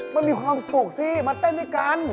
มันมีความสุขสิมาเต้นด้วยกัน